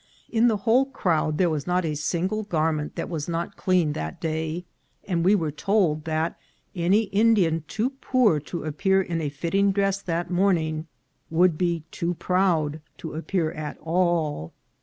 In the whole crowd there was not a single garment that was not clean that day, and we were told that any Indian too poor to appear in a fitting dress that morning would be too proud to appear at all.